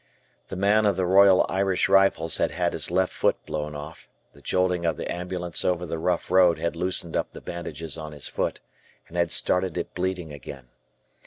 The man of the Royal Irish Rifles had had his left foot blown off, the jolting of the ambulance over the rough road had loosened up the bandages on his foot, and had started it bleeding again.